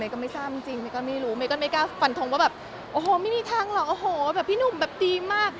เมก็ไม่ทราบจริงมีก็ไม่รู้เมก็กล้าฝันทองว่าแบบโอ้โหไม่มีทางเหรอพี่หนุ่มแบบดีมาก